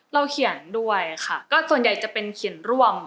เขียนด้วยค่ะก็ส่วนใหญ่จะเป็นเขียนร่วม